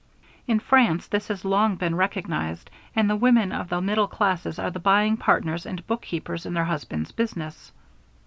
In France this has long been recognized, and the women of the middle classes are the buying partners and bookkeepers in their husbands' business.